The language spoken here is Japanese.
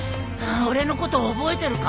俺のこと覚えてるか？